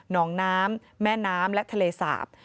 น้องน้ำแม่น้ำและทะเลสาบ